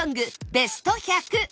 ベスト１００